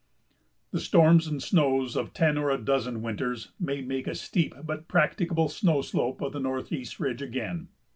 The storms and snows of ten or a dozen winters may make a "steep but practicable snow slope" of the Northeast Ridge again.